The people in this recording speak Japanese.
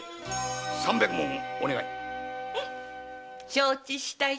承知したよ。